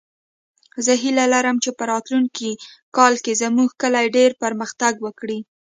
زه هیله لرم چې په راتلونکې کال کې زموږ کلی ډېر پرمختګ وکړي